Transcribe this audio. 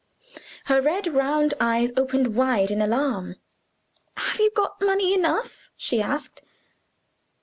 Her red round eyes opened wide in alarm. "Have you got money enough?" she asked.